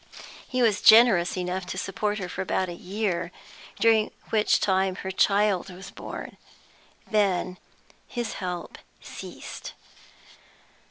He was generous enough to support her for about a year, during which time her child was born. Then his help ceased.